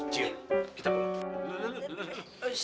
jiho kita berdua